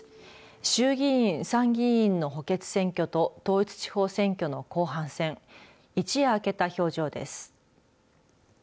衆議院、参議院の補欠選挙と統一地方選挙の後半戦一夜明けた表情です。